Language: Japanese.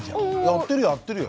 やってるやってるよ。